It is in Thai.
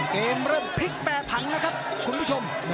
เกมเริ่มพลิกแปรถังนะครับคุณผู้ชม